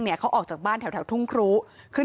จะรับผิดชอบกับความเสียหายที่เกิดขึ้น